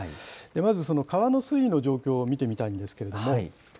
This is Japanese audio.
まずその川の水位の状況を見てみたいんですけれども。